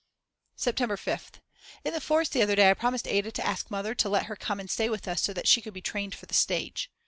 September 5th. In the forest the other day I promised Ada to ask Mother to let her come and stay with us so that she could be trained for the stage.